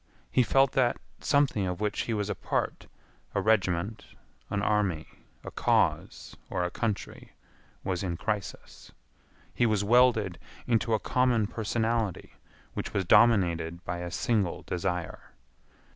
He felt that something of which he was a part—a regiment, an army, a cause, or a country—was in crisis. He was welded into a common personality which was dominated by a single desire.